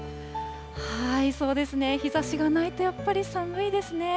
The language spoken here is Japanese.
日ざしがないとやっぱり寒いですね。